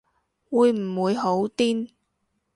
會唔會好癲